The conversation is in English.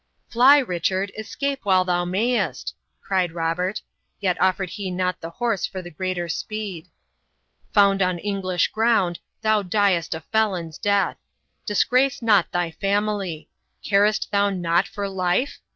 "Fly, Richard; escape while thou mayest!" cried Robert, yet offered he not the horse for the greater speed. "Found on English ground, thou diest a felon's death. Disgrace not thy family. Carest thou not for life?"